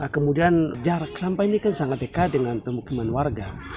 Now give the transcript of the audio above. kemudian jarak sampah ini sangat dekat dengan permukiman warga